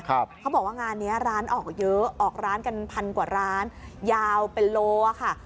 เขาบอกว่างานนี้ร้านออกเยอะออกร้านกันพันกว่าร้านยาวเป็นโลอ่ะค่ะ